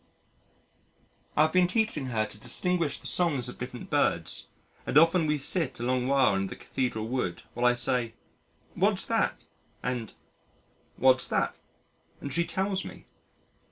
I have been teaching her to distinguish the songs of different birds and often we sit a long while in the Cathedral Wood while I say, "What's that?" and "What's that?" and she tells me.